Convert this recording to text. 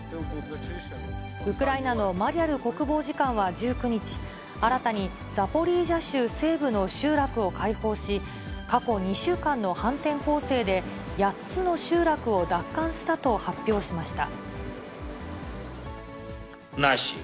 ウクライナのマリャル国防次官は１９日、新たにザポリージャ州西部の集落を解放し、過去２週間の反転攻勢で８つの集落を奪還したと発表しました。